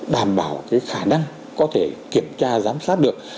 đảm bảo khả năng có thể kiểm tra giám sát được